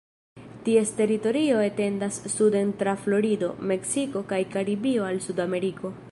Ties teritorioj etendas suden tra Florido, Meksiko kaj Karibio al Sudameriko.